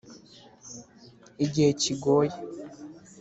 Igihe kigoye